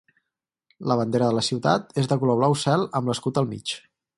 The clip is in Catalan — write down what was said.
La bandera de la ciutat és de color blau cel amb l'escut al mig.